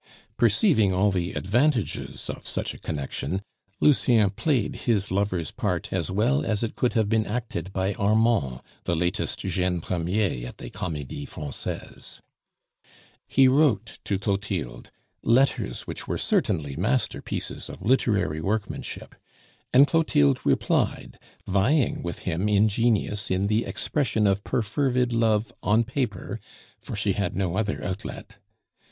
Perceiving all the advantages of such a connection, Lucien played his lover's part as well as it could have been acted by Armand, the latest jeune premier at the Comedie Francaise. He wrote to Clotilde, letters which were certainly masterpieces of literary workmanship; and Clotilde replied, vying with him in genius in the expression of perfervid love on paper, for she had no other outlet.